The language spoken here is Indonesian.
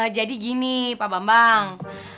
jadi gini pak bambang